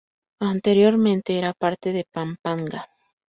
Anteriormente, era parte de Pampanga.